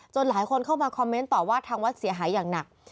หลายคนเข้ามาคอมเมนต์ต่อว่าทางวัดเสียหายอย่างหนัก